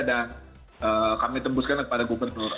dan kami tembuskan kepada gubernur